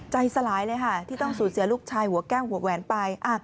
ใจสลายเลยค่ะที่ต้องสูญเสียลูกชายหัวแก้วหัวแหวนไป